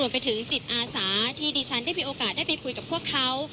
ไปถึงจิตอาสาที่ดิฉันได้มีโอกาสได้ไปคุยกับพวกเขา